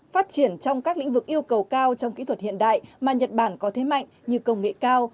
phát triển trong các lĩnh vực yêu cầu cao trong kỹ thuật hiện đại mà nhật bản có thế mạnh như công nghệ cao